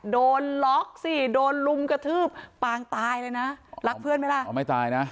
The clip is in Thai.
โดนล็อกสิโดนลุมกระทืบปางตายเลยนะรักเพื่อนไหมล่ะอ๋อไม่ตายนะ